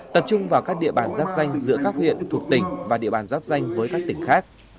tập trung vào các địa bàn giáp danh giữa các huyện thuộc tỉnh và địa bàn giáp danh với các tỉnh khác